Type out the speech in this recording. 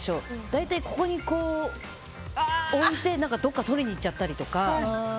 大体、ここに置いてどっか、取りに行っちゃったりとか。